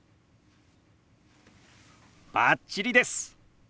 バッチリです！